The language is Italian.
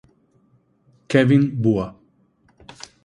Kevin Bua